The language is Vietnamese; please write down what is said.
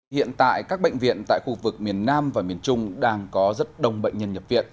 hiện tại các bệnh viện tại khu vực miền nam và miền trung đang có rất đông bệnh nhân nhập viện